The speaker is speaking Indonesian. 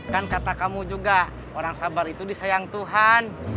kan kata kamu juga orang sabar itu disayang tuhan